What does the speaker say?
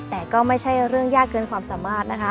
แต่ก็ไม่ใช่เรื่องยากเกินความสามารถนะคะ